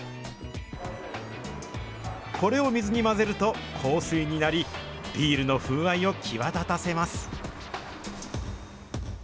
これを水に混ぜると、硬水になり、ビールの風合いを際立たせます。